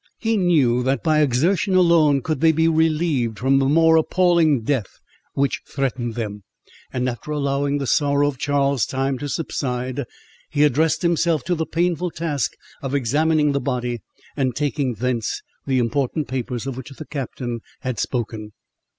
He knew that by exertion alone could they be relieved from the more appalling death which threatened them; and after allowing the sorrow of Charles time to subside, he addressed himself to the painful task of examining the body, and taking thence the important papers of which the captain had spoken.